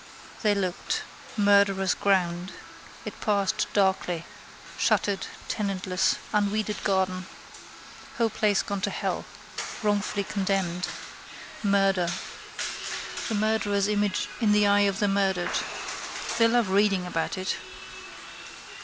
They looked. Murderer's ground. It passed darkly. Shuttered, tenantless, unweeded garden. Whole place gone to hell. Wrongfully condemned. Murder. The murderer's image in the eye of the murdered. They love reading about it.